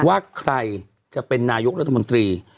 ว่าใครจะเป็นนายกรัฐมนตรี